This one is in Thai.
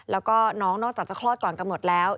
แล้วก็น้องนอกจากจะคลอดก่อนกำหนดแล้ว